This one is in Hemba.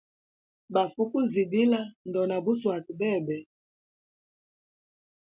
Bafʼukuzibila, ndona buswata bebe.